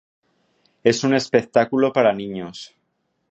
Es un espectáculo para niños.